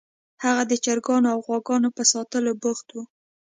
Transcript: هغه د چرګو او غواګانو په ساتلو بوخت و